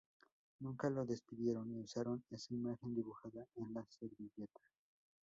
Nunca lo despidieron y usaron esa imagen dibujada en la servilleta.